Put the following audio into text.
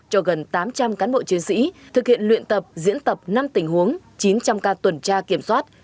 cho gần tám trăm linh cán bộ chiến sĩ thực hiện luyện tập diễn tập năm tình huống chín trăm linh ca tuần tra kiểm soát